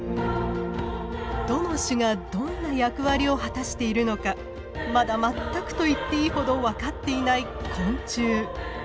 どの種がどんな役割を果たしているのかまだ全くといっていいほど分かっていない昆虫。